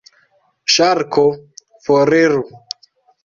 Ŝarko: "Foriru."